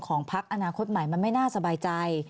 พักอนาคตใหม่มันไม่น่าสบายใจ